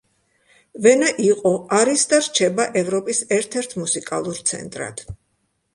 ვენა იყო არის და რჩება ევროპის ერთ-ერთ მუსიკალურ ცენტრად.